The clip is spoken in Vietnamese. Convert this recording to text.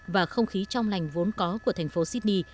và không khí trong lành vốn có của thành phố sydney